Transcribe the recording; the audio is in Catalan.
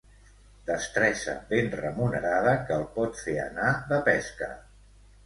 Destresa ben remunerada que et pot fer anar de pesca.